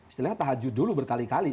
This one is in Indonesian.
istilahnya tahajud dulu berkali kali